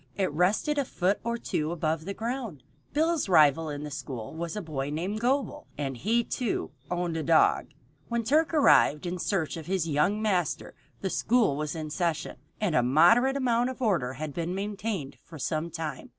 It rested a foot or two above the ground. Bill's rival in the school was a boy named Gobel, and he, too, owned a dog. When Turk arrived in search of his young master the school was in session, and a moderate amount of order had been maintained for some time.